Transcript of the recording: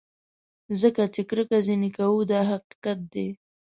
ځکه چې کرکه ځینې کوو دا حقیقت دی.